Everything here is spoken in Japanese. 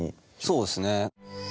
そうですね。